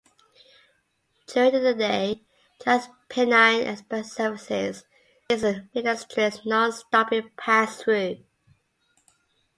During the day; TransPennine Express services and East Midlands Trains non-stopping pass through.